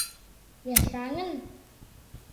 Ешаҥын?